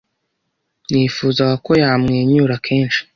Nifuzaga ko yamwenyura kenshi.